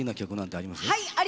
あります？